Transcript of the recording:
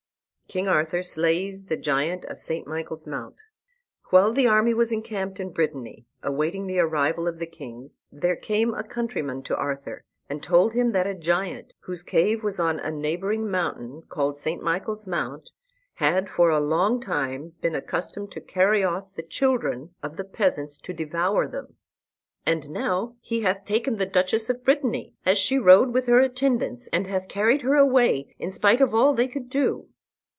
KING ARTHUR SLAYS THE GIANT OF ST. MICHAEL'S MOUNT While the army was encamped in Brittany, awaiting the arrival of the kings, there came a countryman to Arthur, and told him that a giant, whose cave was on a neighboring mountain, called St. Michael's Mount, had for a long time been accustomed to carry off the children of the peasants to devour them. "And now he hath taken the Duchess of Brittany, as she rode with her attendants, and hath carried her away in spite of all they could do."